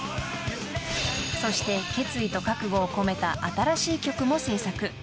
［そして決意と覚悟を込めた新しい曲も制作］